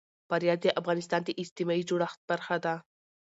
فاریاب د افغانستان د اجتماعي جوړښت برخه ده.